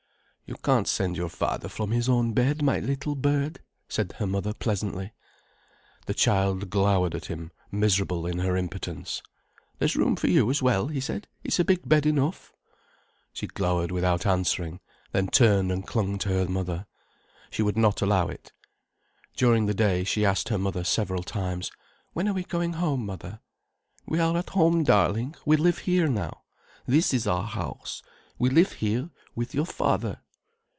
"You can't send your father from his own bed, my little bird," said her mother, pleasantly. The child glowered at him, miserable in her impotence. "There's room for you as well," he said. "It's a big bed enough." She glowered without answering, then turned and clung to her mother. She would not allow it. During the day she asked her mother several times: "When are we going home, mother?" "We are at home, darling, we live here now. This is our house, we live here with your father."